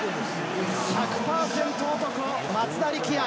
１００％男、松田力也！